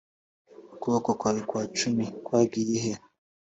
ukuboko kwawe kwa cyami kwagiyehe